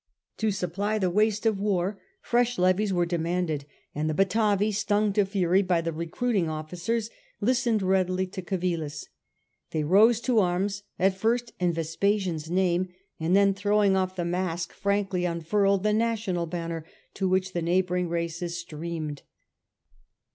To supply the w^aste of wai fresh levies were demanded, and the Batavi, stung to fury by the recruiting officers, listened readily to Civilis. They rose to arms, at first in Vespasian's name, and then, throw ing off the mask, frankly unfurled the national banner, to which the neighbouring races streamed.